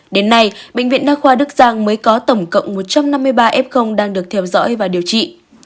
đến nay bệnh viện đa khoa đức giang mới có tổng cộng một trăm năm mươi ba f đang được theo dõi và điều trị